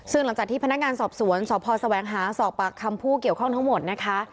ซึ่งหลังจากที่พนักงานสอบสวนสพแสวงหาสอบปากคำผู้เกี่ยวข้องทั้งหมดนะคะ